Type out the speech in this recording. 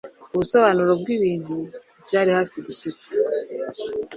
Ubusobanuro bwibintu byari hafi gusetsa.